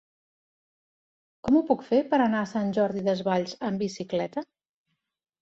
Com ho puc fer per anar a Sant Jordi Desvalls amb bicicleta?